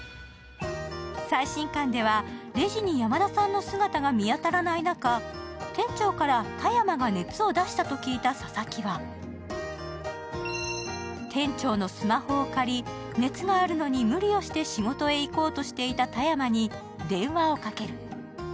最新刊ではレジに山田さんの姿が見当たらない中、店長から田山が熱を出したと聞いた佐々木は店長のスマホを借り、熱があるのに無理をして仕事へ行こうとしていた田山に電話をかける。